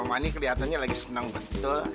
rumah ini kelihatannya lagi seneng betul